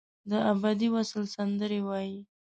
دابدي وصل سندرې وایې